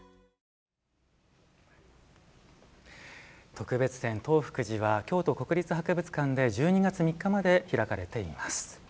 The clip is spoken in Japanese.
「特別展・東福寺」は京都国立博物館で１２月３日まで開かれています。